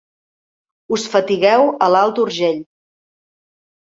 Us fatigueu a l'Alt Urgell.